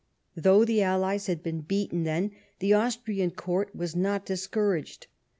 Though the allies had been beaten, then, the Austrian Court was not dis couraged.